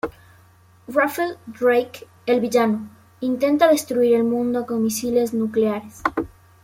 Raphael Drake: El villano, intenta destruir el mundo con misiles nucleares.